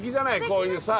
こういうさ。